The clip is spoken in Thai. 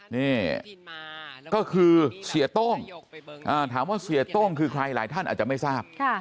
นี่ก็คือเสียโต้งถามว่าเสียโต้งคือใครหลายท่านอาจจะไม่ทราบ